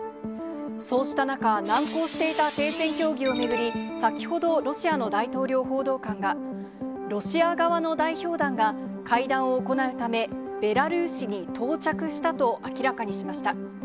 そうした中、難航していた停戦協議を巡り、先ほど、ロシアの大統領報道官が、ロシア側の代表団が、会談を行うため、ベラルーシに到着したと明らかにしました。